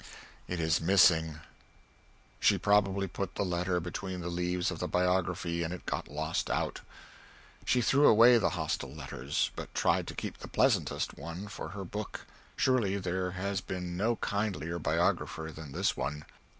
It is missing. She probably put the letter between the leaves of the Biography and it got lost out. She threw away the hostile letters, but tried to keep the pleasantest one for her book; surely there has been no kindlier biographer than this one.